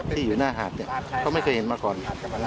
ที่อยู่หน้าหาดเนี่ยเขาไม่เคยเห็นมาก่อน